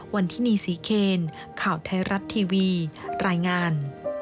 วันที่นี่ศรีเคนข่าวไทยรัฐทีวีรายงาน